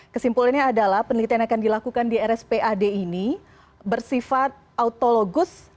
kesimpulannya adalah penelitian yang akan dilakukan di rspad ini bersifat autologus